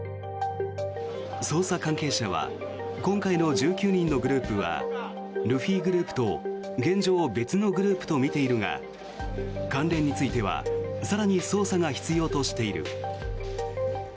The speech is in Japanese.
捜査関係者は今回の１９人のグループはルフィグループと現状、別のグループとみているが関連については更に捜査が必要としている。